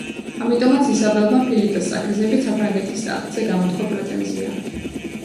ამიტომაც ისაბელმა, ფილიპეს წაქეზებით საფრანგეთის ტახტზე გამოთქვა პრეტენზია.